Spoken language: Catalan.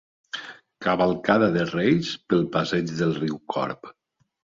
Cavalcada de Reis pel passeig del riu Corb.